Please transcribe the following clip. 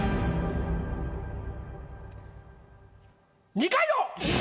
二階堂！